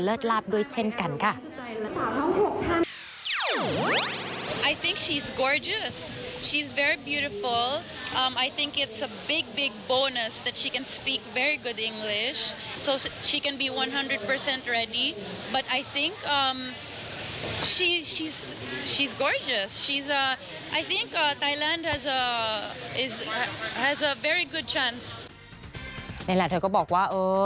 ลาบด้วยเช่นกันค่ะ